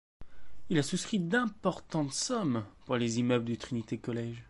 Il a souscrit d'importantes sommes pour des immeubles du Trinity College.